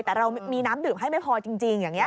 แต่เรามีน้ำดื่มให้ไม่พอจริงอย่างนี้